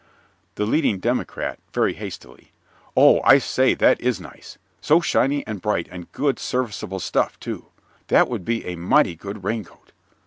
THE LEADING DEMOCRAT (very hastily) Oh, I say, that is nice. So shiny and bright, and good serviceable stuff, too. That would make a mighty good raincoat.